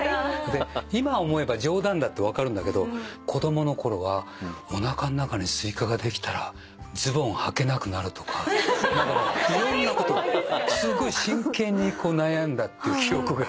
で今思えば冗談だって分かるんだけど子供のころはおなかの中にスイカができたらズボンはけなくなるとかいろんなことをすごい真剣に悩んだっていう記憶が。